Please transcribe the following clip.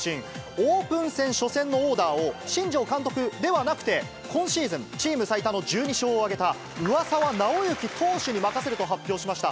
オープン戦初戦のオーダーを、新庄監督ではなくて、今シーズン、チーム最多の１２勝を挙げた、上沢直之投手に任せると発表しました。